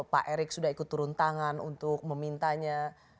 pak erick sudah ikut turun tangan untuk memintanya